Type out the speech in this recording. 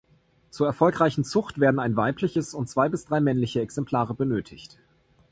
Zur erfolgreichen Zucht werden ein weibliches und zwei bis drei männliche Exemplare benötigt.